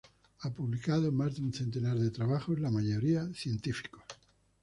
Ha publicado más de un centenar de trabajos la mayoría científicos.